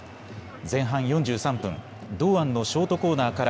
前半４３分、堂安のショートコーナーから。